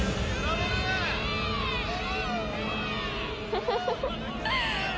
フフフフッ。